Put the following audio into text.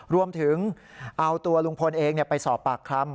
รวมถึงเอาตัวลุงพลเองไปสอบปากคำ